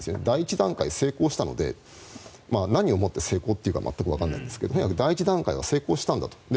第１段階、成功したので何をもって成功というか全くわからないんですが第１段階は成功したんだと。